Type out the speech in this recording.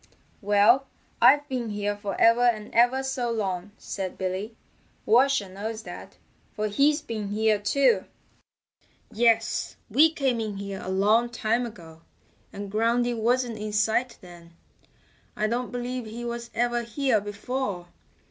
"Well, I've been here for ever and ever so long," said Billy. "Washer knows that, for he's been here too." "Yes, we came in here a long time ago, and Groundy wasn't in sight then. I don't believe he was ever here before.